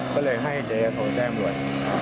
ก็เลยให้เจ๊โทรแซ่มด้วย